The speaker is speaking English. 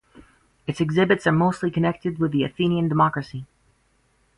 Its exhibits are mostly connected with the Athenian democracy.